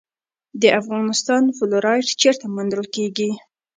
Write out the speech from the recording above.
د افغانستان فلورایټ چیرته موندل کیږي؟